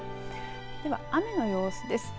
では雨の様子です。